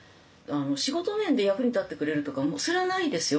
仕事面で役に立ってくれるとかそれはないですよ